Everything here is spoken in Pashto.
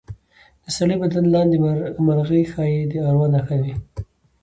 د سړي بدن لاندې مرغۍ ښایي د اروا نښه وي.